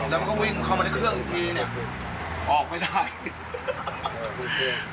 แล้วมันก็วิ่งเข้ามาในเครื่องอีกทีเนี่ยออกไม่ได้